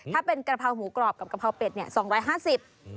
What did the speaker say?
ถ้าเป็นกะเพราหมูกรอบกับกะเพราเป็ดเนี่ย๒๕๐บาท